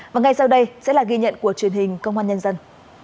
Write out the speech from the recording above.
và ngay sau đây sẽ là ghi nhận của truyền hình công an nhân dân